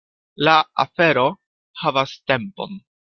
La afero havas tempon.